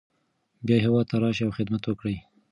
بیا هیواد ته راشئ او خدمت وکړئ.